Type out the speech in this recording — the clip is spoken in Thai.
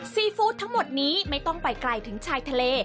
ซีฟู้ดทั้งหมดนี้ไม่ต้องไปไกลถึงชายทะเล